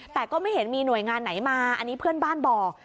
แต่ก็ไม่เห็นมีหน่วยงานไหนมาอันนี้เพื่อนบ้านบอก